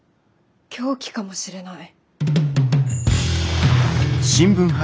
凶器かもしれない。